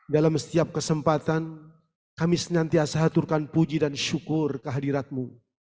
dalam setiap kesempatan kami senantiasa aturkan puji dan syukur kehadiratmu